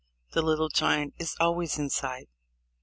The Little Giant is always in sight